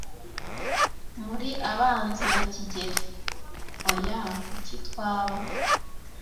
"Muri abanzi na kigeli?" "Oya. Kuki twaba?"